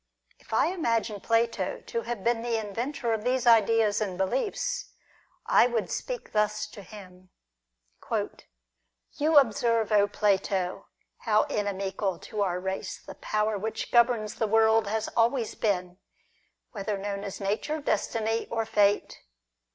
If I imagined Plato to have been the inventor of these ideas and beliefs, I would speak thus to him :—*' You observe, Plato, how inimical to our race the power which governs the world has always been, whether known as Nature, Destiny, or Fate.